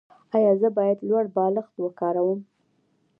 ایا زه باید لوړ بالښت وکاروم؟